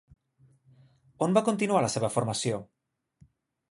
On va continuar la seva formació?